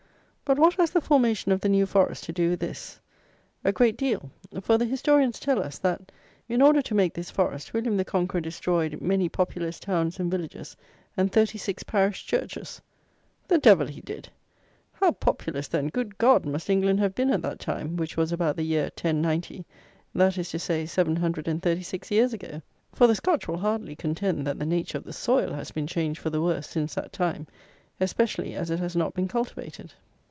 But what has the formation of the New Forest to do with this? A great deal; for the historians tell us that, in order to make this Forest, William the Conqueror destroyed "many populous towns and villages, and thirty six parish churches!" The devil he did! How populous, then, good God, must England have been at that time, which was about the year 1090; that is to say, 736 years ago! For, the Scotch will hardly contend that the nature of the soil has been changed for the worse since that time, especially as it has not been cultivated.